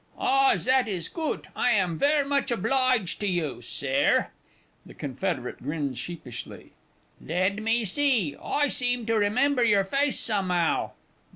_) Ah, zat is goot! I am vair much oblige to you, Sare. (The Confederate grins sheepishly.) Led me see I seem to remember your face some'ow.